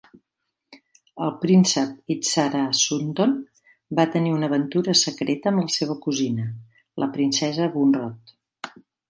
El Príncep Itsarasunthon va tenir una aventura secreta amb la seva cosina, la Princesa Bunrod.